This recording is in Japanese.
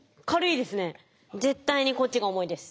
絶対にこっちが重いです。